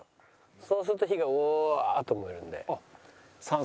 そうすると火がうわっと燃えるんで。